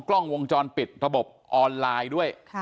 กล้องวงจรปิดระบบออนไลน์ด้วย